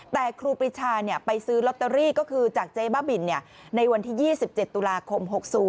แต่ครูปรีชาไปซื้อลอตเตอรี่ก็คือจากเจ๊บ้าบินในวันที่๒๗ตุลาคม๖๐